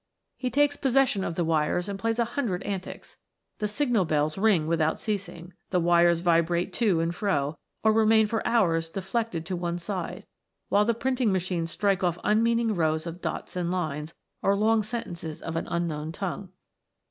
He takes possession of the wires and plays a hundred antics. The signal bells ring without ceasing ; the needles vibrate to and fro, or remain for hours deflected to one side ; while the printing machines strike off unmeaning rows of dots and lines, or long sentences of an unknown tongue.